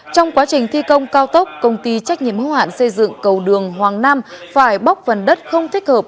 trong quá trình thi công cao tốc công ty trách nhiệm hữu hạn xây dựng cầu đường hoàng nam phải bóc phần đất không thích hợp